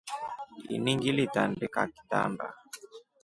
Ini ngilitandika kitanda.